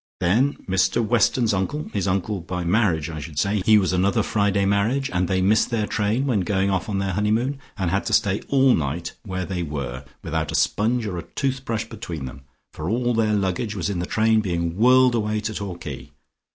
Then Mr Weston's uncle, his uncle by marriage I should say, he was another Friday marriage and they missed their train when going off on their honeymoon, and had to stay all night where they were without a sponge or a tooth brush between them, for all their luggage was in the train being whirled away to Torquay.